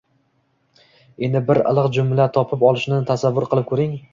Endi bir iliq jumla topib olishni tasavvur qilib ko‘ring.